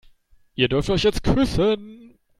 Ihr dürft euch jetzt küssen.